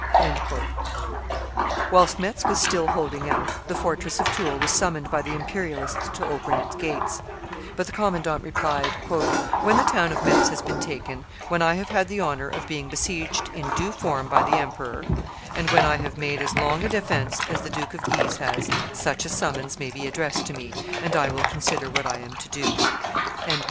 Whilst Metz was still holding out, the fortress of Toul was summoned by the Imperialists to open its gates; but the commandant replied, "When the town of Metz has been taken, when I have had the honor of being besieged in due form by the emperor, and when I have made as long a defence as the Duke of Guise has, such a summons may be addressed to me, and I will consider what I am to do."